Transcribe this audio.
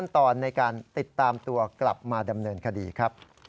ติดตามตัวกลับมาดำเนินคดีครับ